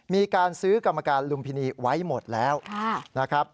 มีการซื้อกรรมการลุมพินีไว้หมดแล้วนะครับ